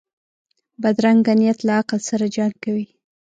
بدرنګه نیت له عقل سره جنګ کوي